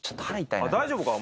大丈夫か？